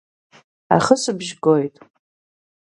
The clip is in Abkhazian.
Ахысбжь гоит.